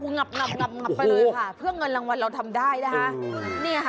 หงับไปเลยค่ะเพื่อเงินรางวัลเราทำได้นะคะ